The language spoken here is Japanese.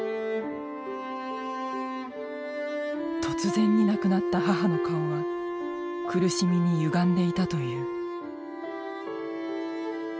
突然に亡くなった母の顔は苦しみにゆがんでいたという。